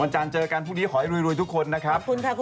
จานเจอกันพรุ่งนี้ขอให้รวยทุกคนนะครับ